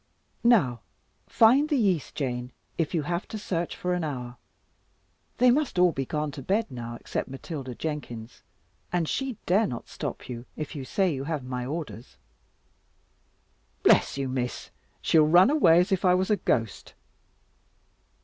Now find the yeast, Jane, if you have to search for an hour. They must all be gone to bed now, except Matilda Jenkins; and she dare not stop you if you say you have my orders." "Bless you, Miss; she'll run away as if I was a ghost."